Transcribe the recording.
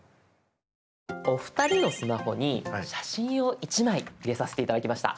お二人のスマホに写真を１枚入れさせて頂きました。